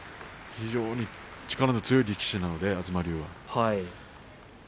非常に力の強い力士なので東龍は。